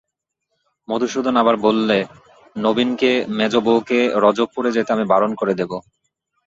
মধুসূদন আবার বললে, নবীনকে মেজোবউকে রজবপুরে যেতে আমি বারণ করে দেব।